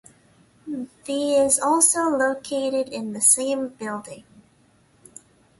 The is also located in the same building.